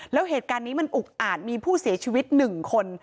แล้วเหตุการณ์นี้มันอุกอาจมีผู้เสียชีวิต๑คน